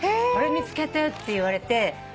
これ見つけたよって言われて。